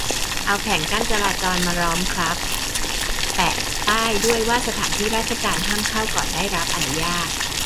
เอาแผงกั้นจราจรมาล้อมครับ แปะป้ายด้วยว่าสถานที่ราชการห้ามเข้าก่อนได้รับอนุญาต